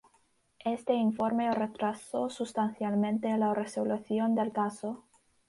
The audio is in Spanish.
Este informe retrasó sustancialmente la resolución del caso.